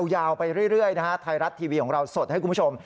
ยาวไปเรื่อยนะฮะไทยรัฐทีวีของเราสดให้คุณผู้ชม